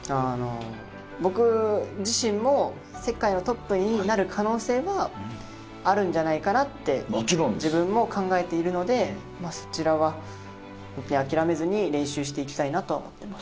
僕自身も世界のトップになる可能性はあるんじゃないかなって自分も考えているのでそちらは諦めずに練習していきたいと思ってます。